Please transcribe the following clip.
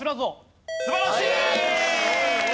素晴らしい！